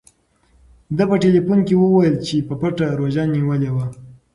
ده په ټیلیفون کې وویل چې په پټه روژه نیولې وه.